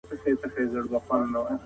اقتصاد به له پانګي پرته وده ونه کړي.